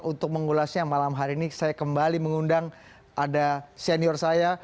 untuk mengulasnya malam hari ini saya kembali mengundang ada senior saya